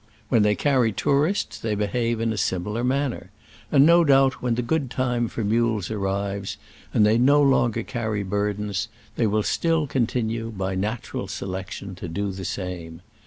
When they carry tourists they behave in a similar manner; and no doubt when the good time for mules arrives, and they no longer carry burdens, they will still continue, by natural selection, to do the same.